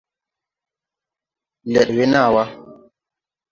Lɛd we naa wà.